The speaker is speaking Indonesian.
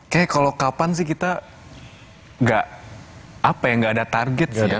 kayak kalau kapan sih kita gak apa ya nggak ada target sebenarnya